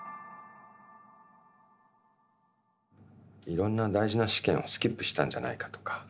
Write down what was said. いろんな大事な試験をスキップしたんじゃないかとか。